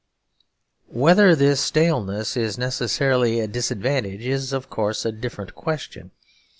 Whether this staleness is necessarily a disadvantage is, of course, a different question.